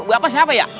buat apa siapa ya